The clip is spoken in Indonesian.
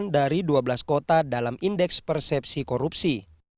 dari dua belas kota dalam indeks persepsi korupsi